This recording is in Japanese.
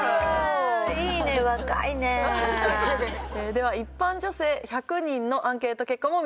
では一般女性１００人のアンケート結果も見ていきましょう。